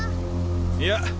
いや。